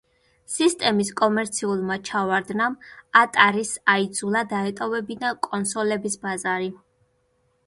სისტემის კომერციულმა ჩავარდნამ ატარის აიძულა დაეტოვებინა კონსოლების ბაზარი.